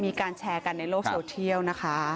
มีการแชร์กันในโลกโซเทียลนะคะ